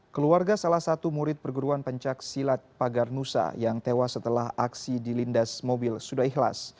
keluarga salah satu murid perguruan pencaksilat pagar nusa yang tewas setelah aksi dilindas mobil sudah ikhlas